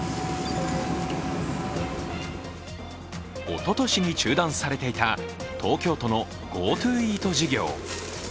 おととしに中断されていた東京都のＧｏＴｏイート事業。